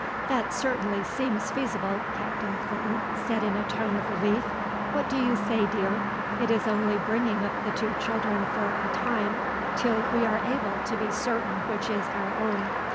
"That certainly seems feasible," Captain Clinton said in a tone of relief. "What do you say, dear? It is only bringing up the two children for a time till we are able to be certain which is our own.